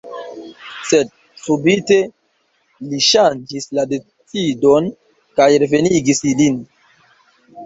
Sed subite li ŝanĝis la decidon, kaj revenigis ilin.